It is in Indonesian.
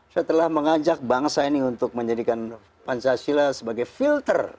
saya telah mengajak bangsa ini untuk menjadikan pancasila sebagai filter